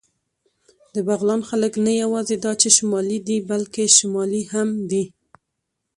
د بغلان خلک نه یواځې دا چې شمالي دي، بلکې شمالي هم دي.